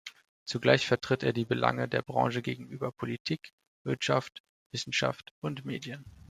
Zugleich vertritt er die Belange der Branche gegenüber Politik, Wirtschaft, Wissenschaft und Medien.